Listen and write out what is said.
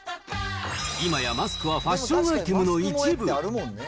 いまやマスクはファッションアイテムの一部。